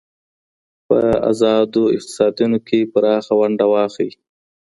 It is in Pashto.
په آزادو اقتصادونو کې پراخه ونډه واخلئ.